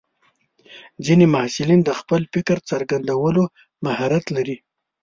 ځینې محصلین د خپل فکر څرګندولو مهارت لري.